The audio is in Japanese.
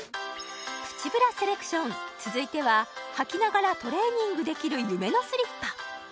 プチブラセレクション続いては履きながらトレーニングできる夢のスリッパ